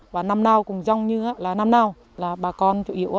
và năm nào cũng rong như là năm nào là bà con chủ yếu